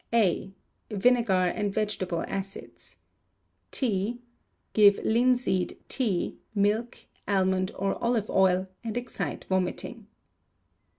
A. Vinegar and vegetable acids T. Give linseed tea, milk, almond or olive oil, and excite vomiting.